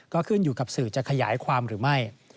ก็ขึ้นอยู่กับสื่อจะขยายความหรือไม่